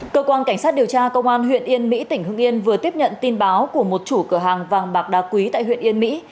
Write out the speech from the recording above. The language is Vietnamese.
cơ quan cảnh sát điều tra công an huyện yên mỹ tỉnh hưng yên vừa tiếp nhận tin báo của một chủ cửa hàng vàng bạc đá quý tại huyện yên mỹ